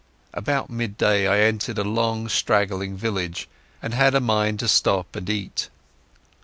About midday I entered a long straggling village, and had a mind to stop and eat.